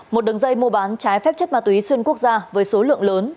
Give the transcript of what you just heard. một đường dây mua bán trái phép chất ma túy xuyên quốc gia với số lượng lớn